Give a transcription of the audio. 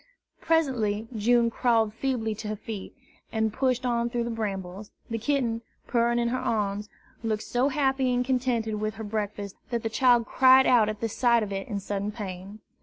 Presently June crawled feebly to her feet, and pushed on through the brambles. The kitten, purring in her arms, looked so happy and contented with her breakfast that the child cried out at the sight of it in sudden pain.